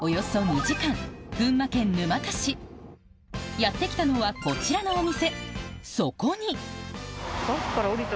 やって来たのはこちらのお店